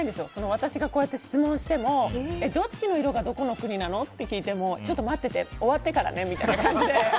私が質問してもどっちの色がどこの国なの？って聞いてもちょっと待ってて終わってからねみたいな感じで。